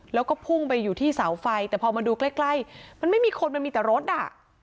แล้วก็พุ่งไปอยู่ที่เสาไฟแต่พอมาดูใกล้ใกล้มันไม่มีคนมันมีแต่รถอ่ะ